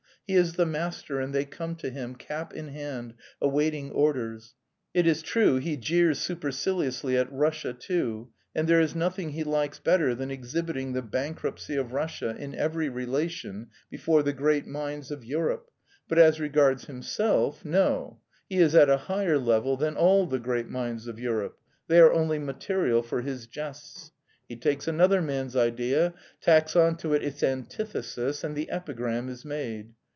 He is the master and they come to him, cap in hand, awaiting orders. It is true he jeers superciliously at Russia too, and there is nothing he likes better than exhibiting the bankruptcy of Russia in every relation before the great minds of Europe, but as regards himself, no, he is at a higher level than all the great minds of Europe; they are only material for his jests. He takes another man's idea, tacks on to it its antithesis, and the epigram is made.